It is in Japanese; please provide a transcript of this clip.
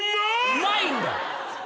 うまいんだ。